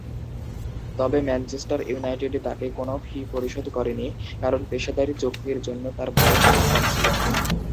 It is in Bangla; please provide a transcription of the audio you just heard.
তবে ম্যানচেস্টার ইউনাইটেড তাকে কোন ফি পরিশোধ করেনি, কারণ পেশাদারী চুক্তির জন্য তার বয়স খুব কম ছিল।